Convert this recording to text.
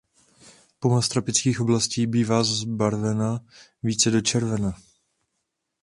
Puma z tropických oblastí bývá zbarvena více do červena.